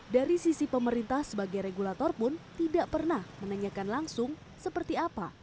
dari sisi pemerintah sebagai regulator pun tidak pernah menanyakan langsung seperti apa